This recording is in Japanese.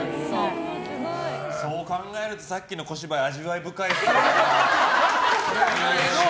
そう考えるとさっきの小芝居味わい深いわ。